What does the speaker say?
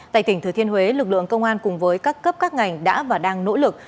tại tỉnh thừa thiên huế lực lượng công an cùng với các cấp các ngành đã và đang nỗ lực